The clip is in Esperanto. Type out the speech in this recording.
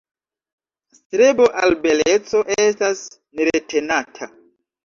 Strebo al beleco estas neretenata.